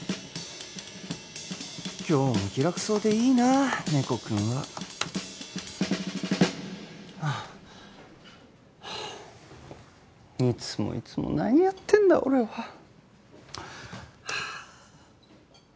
今日も気楽そうでいいな猫君はあっ。いつもいつも何やってんだ俺は。